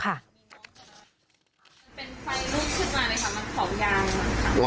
คือเป็นไฟลุกขึ้นมาเลยค่ะมันขอบยาง